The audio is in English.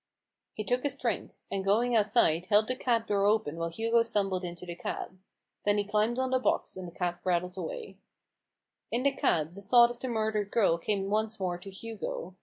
He took his drink ; and, going outside, held the cab door open while Hugo stumbled into the cab. Then he climbed on the box, and the cab rattled away. HUGO RAVENS HAND. 171 In the cab the thought of the murdered girl came once more to Hugo.